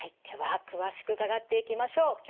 では詳しく伺っていきましょう。